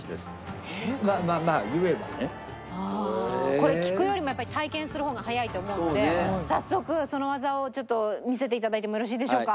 これ聞くよりもやっぱり体験する方が早いと思うので早速その技をちょっと見せていただいてもよろしいでしょうか？